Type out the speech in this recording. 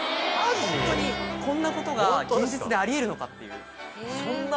ホントにこんなことが現実であり得るのかっていう。